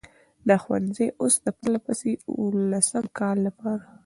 دا ښوونځی اوس د پرلهپسې اوولسم کال لپاره،